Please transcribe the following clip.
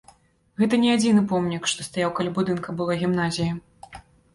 Гэта не адзіны помнік, што стаяў каля будынка былой гімназіі.